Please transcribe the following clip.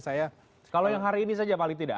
saya kalau yang hari ini saja paling tidak